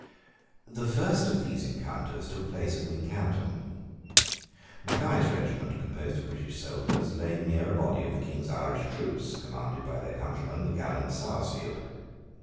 The first of these encounters took place at Wincanton. Mackay's regiment, composed of British soldiers, lay near a body of the King's Irish troops, commanded by their countryman, the gallant Sarsfield.